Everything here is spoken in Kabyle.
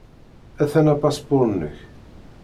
Atan upaspuṛ-nnek.